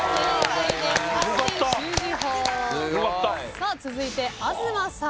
さあ続いて東さん。